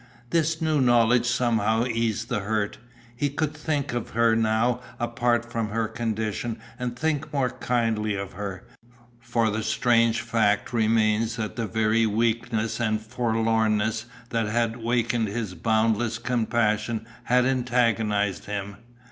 This new knowledge somehow eased the hurt. He could think of her now apart from her condition and think more kindly of her, for the strange fact remains that the very weakness and forlornness that had wakened his boundless compassion had antagonized him.